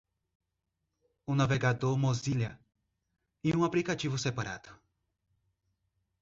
O navegador Mozilla, em um aplicativo separado.